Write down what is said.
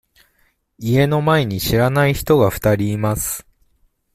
家の前に知らない人が二人います。